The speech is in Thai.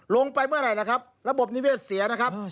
ลงไปเมื่อไหร่ล่ะครับระบบนิเวศเสียนะครับ